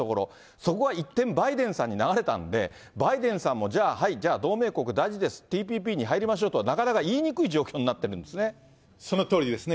そこが一転、バイデンさんに流れたんで、バイデンさんも、はい、同盟国大事です、ＴＰＰに入りましょうとはなかなか言いにくい状そのとおりですね。